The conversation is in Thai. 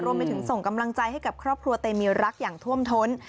รวมไปถึงส่งกำลังใจให้กับครอบครัวเตมีรักอย่างท่วมท้น